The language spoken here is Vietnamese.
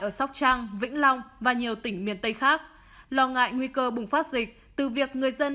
ở sóc trăng vĩnh long và nhiều tỉnh miền tây khác lo ngại nguy cơ bùng phát dịch từ việc người dân